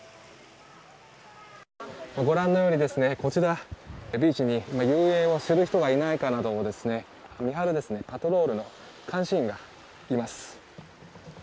ご覧のように、ビーチに遊泳する人がいないかなどを見張る、パトロールの監視員がいます。